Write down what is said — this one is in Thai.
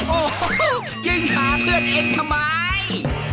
โอ้โหยิงหาเพื่อนเองทำไม